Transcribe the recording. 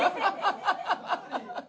ハハハハ！